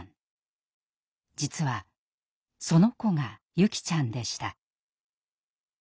実はその子が優希ちゃんでした。